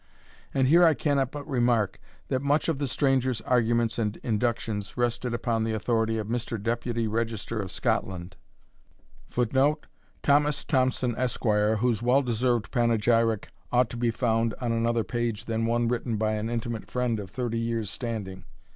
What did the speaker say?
And here I cannot but remark, that much of the stranger's arguments and inductions rested upon the authority of Mr. Deputy Register of Scotland, [Footnote: Thomas Thomson, Esq., whose well deserved panegyric ought to be found on another page than one written by an intimate friend of thirty years' standing.